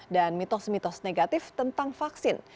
dan mitos mitos negatif tentang vaksin